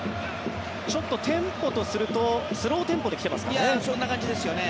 ちょっとテンポとするとスローテンポで来ていますかね。